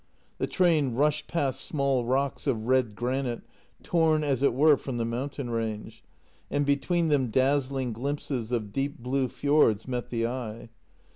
The train rushed past small rocks of red granite, torn as it were from the mountain range, and between them dazzling glimpses of deep blue fjords met the eye.